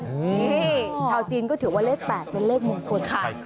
นี่ชาวจีนก็ถือว่าเลข๘เป็นเลขมงคลค่ะ